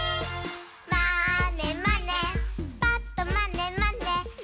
「まーねまねぱっとまねまね」